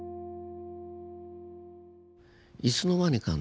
いつの間にかね